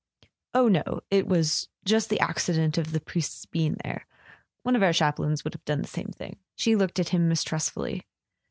"Oh, no—it was just the accident of the priest's being there. One of our chaplains would have done the same kind of thing." She looked at him mistrustfully.